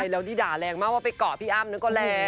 แล้วที่ด่าแรงมากว่าไปเกาะพี่อ้ำนั้นก็แรง